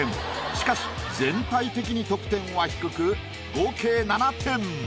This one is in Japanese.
しかし全体的に得点は低く合計７点。